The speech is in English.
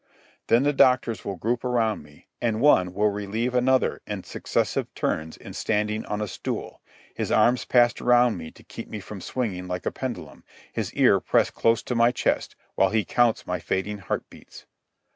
Then the doctors will group around me, and one will relieve another in successive turns in standing on a stool, his arms passed around me to keep me from swinging like a pendulum, his ear pressed close to my chest, while he counts my fading heart beats.